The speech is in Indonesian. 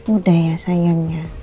udah ya sayangnya